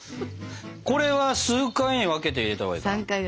これは数回に分けて入れたほうがいいかな？